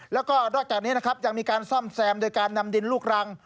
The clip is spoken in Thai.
แล้วก็นอกจากนี้นะครับยังมีการซ่อมแซมโดยการนำดินลูกรัง